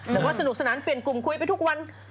แต่ว่าสนุกสนานเปลี่ยนกลุ่มคุยไปทุกวัน